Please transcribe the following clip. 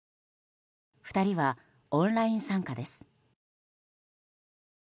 ２人はオンライン参加です。